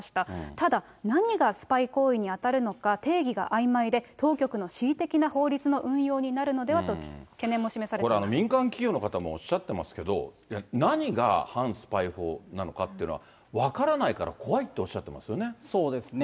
ただ、何がスパイ行為に当たるのか定義があいまいで、当局の恣意的な法律の運用になるのではと懸これ、民間企業の方もおっしゃってますけど、何が反スパイ法なのかっていうのは分からないかそうですね。